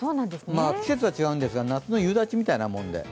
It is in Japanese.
季節は違うんですが夏の夕立みたいなもんで。